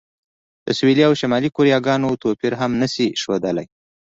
د سویلي او شمالي کوریاګانو توپیر هم نه شي ښودلی.